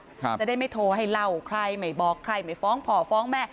จะได้ไม่โทรให้เล่าใครไม่บอกใครไม่ฟ้องพ่อฟ้องแม่